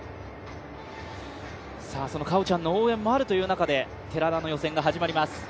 その果緒ちゃんの応援もあるという中で寺田の予選が始まります。